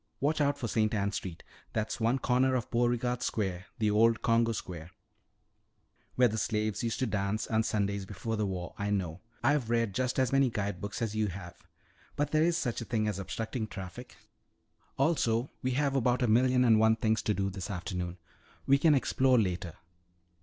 Watch out for St. Anne Street. That's one corner of Beauregarde Square, the old Congo Square " "Where the slaves used to dance on Sundays before the war. I know; I've read just as many guide books as you have. But there is such a thing as obstructing traffic. Also we have about a million and one things to do this afternoon. We can explore later.